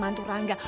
yang ngemantu rangga